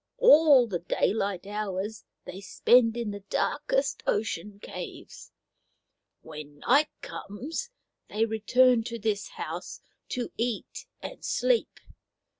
All the daylight hours they spend in the darkest ocean caves. When night comes they return to this house to eat and 212 Maoriland Fairy Tales sleep.